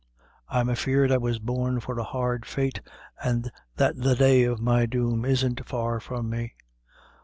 I'm afeared I was born for a hard fate, an' that the day of my doom isn't far from me.